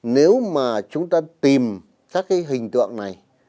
nếu mà chúng ta tìm các cái hình tượng này